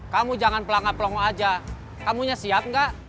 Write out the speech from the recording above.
kamu jangan pelanggat pelongok aja kamunya siap nggak